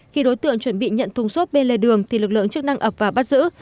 khi đối tượng chuẩn bị nhận thùng xốp bên lề đường thì lực lượng chức năng ập vào bắt giữ